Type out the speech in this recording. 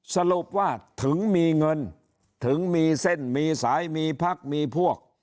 สรุปว่าถึงมีเงินถึงมีเส้นมีสายมีพักมีพวก